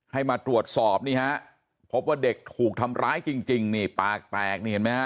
ให้มาตรวจสอบพบว่าเด็กถูกทำร้ายจริงปากแตก